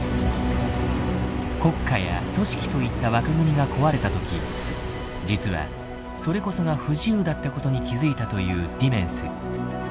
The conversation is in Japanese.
国家や組織といった枠組みが壊れた時実はそれこそが不自由だったことに気付いたというディメンス。